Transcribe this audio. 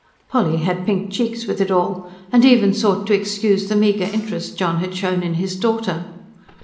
Polly had pink cheeks with it all, and even sought to excuse the meagre interest John had shown in his daughter.